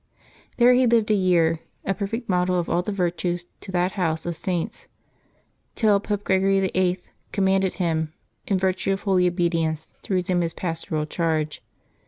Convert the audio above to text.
There he lived a year, a perfect model of all virtues to that house of Saints, till Pope Gregory VII. commanded him, in virtue of holy obedience, to resume his pastoral charge.